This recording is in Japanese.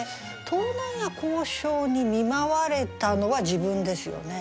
盗難や咬傷に見舞われたのは自分ですよね。